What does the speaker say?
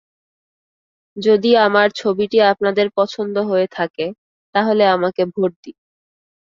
যদি আমার ছবিটি আপনাদের পছন্দ হয়ে থাকে, তাহলে আমাকে ভোট দিন।